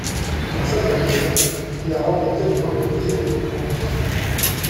Dans sa carrière, il a remporté de nombreux prix et récompenses.